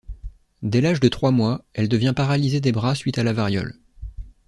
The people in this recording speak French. Dès l'âge de trois mois, elle devient paralysée des bras suite à la variole.